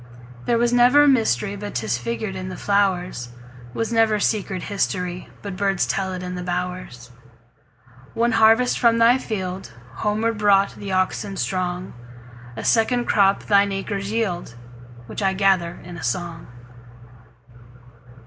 There was never mysteryBut 'tis figured in the flowers; SWas never secret historyBut birds tell it in the bowers. One harvest from thy fieldHomeward brought the oxen strong;A second crop thine acres yield, Which I gather in a song.